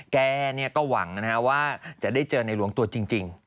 แกเนี่ยก็หวังนะครับว่าจะได้เจอนายหลวงตัวจริง